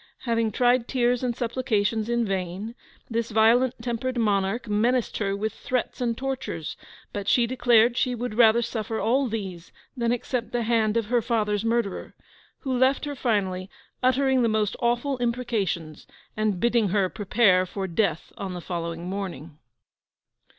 Having tried tears and supplications in vain, this violent tempered monarch menaced her with threats and tortures; but she declared she would rather suffer all these than accept the hand of her father's murderer, who left her finally, uttering the most awful imprecations, and bidding her prepare for death on the following morning.